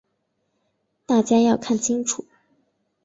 大家要看清楚。